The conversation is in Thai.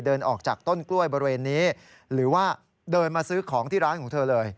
เดินออกจากต้นกล้วยบริเวณนี้หรือว่าเดินมาซื้อของที่ร้านของเธอเลย